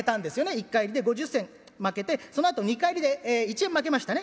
１荷入り。で５０銭まけてそのあと２荷入りで１円まけましたね。